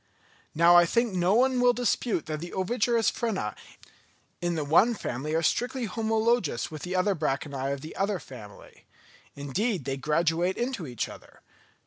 Now I think no one will dispute that the ovigerous frena in the one family are strictly homologous with the branchiæ of the other family; indeed, they graduate into each other.